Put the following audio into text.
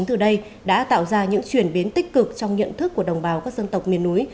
từ đây đã tạo ra những chuyển biến tích cực trong nhận thức của đồng bào các dân tộc miền núi